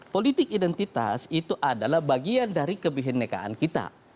politik identitas itu adalah bagian dari kebihinnekaan kita